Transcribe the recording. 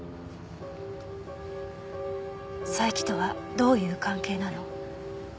佐伯とはどういう関係なの？